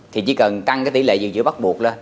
thì chỉ cần tăng tỷ lệ dự trị bắt buộc lên